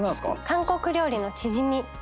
韓国料理のチヂミ。